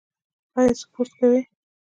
ایا سپورت کوئ؟